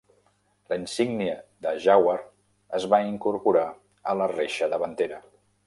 La insígnia de Jaguar es va incorporar a la reixa davantera.